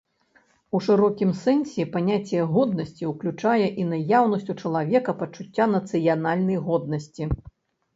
У шырокім сэнсе паняцце годнасці ўключае і наяўнасць у чалавека пачуцця нацыянальнай годнасці.